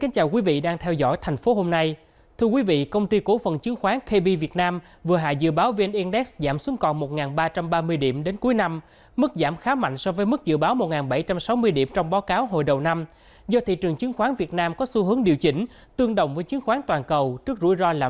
chào mừng quý vị đến với bộ phim hãy nhớ like share và đăng ký kênh của chúng mình nhé